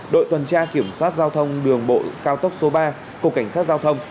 đội tuần tra kiểm soát giao thông đường bộ cao tốc số ba cục cảnh sát giao thông